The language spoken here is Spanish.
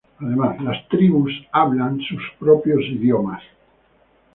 Además, los tribus habla sus propios idiomas.